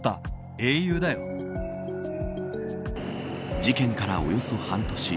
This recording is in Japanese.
事件から、およそ半年。